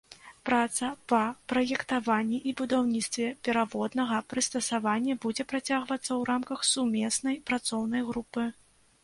Праца па праектаванні і будаўніцтве пераводнага прыстасавання будзе працягвацца ў рамках сумеснай працоўнай групы.